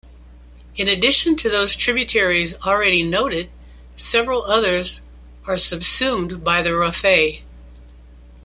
In addition to those tributaries already noted, several others are subsumed by the Rothay.